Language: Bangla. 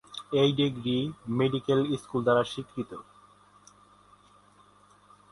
এই ডিগ্রী মেডিকেল স্কুল দ্বারা স্বীকৃত।